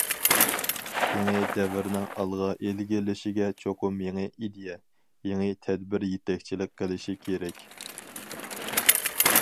يېڭى دەۋرنىڭ ئالغا ئىلگىرىلىشىگە چوقۇم يېڭى ئىدىيە، يېڭى تەدبىر يېتەكچىلىك قىلىشى كېرەك.